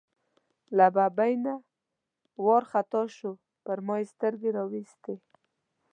له ببۍ نه وار خطا شو، پر ما یې سترګې را وایستې.